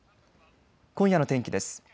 今夜の天気です。